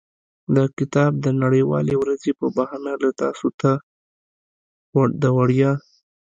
د کتاب د نړیوالې ورځې په بهانه له تاسو ته د وړیا.